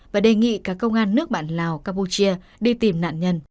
và đề nghị cả công an nước bạn lào campuchia đi tìm nạn nhân